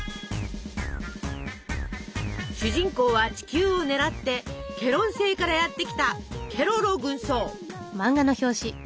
主人公は地球を狙ってケロン星からやって来たケロロ軍曹。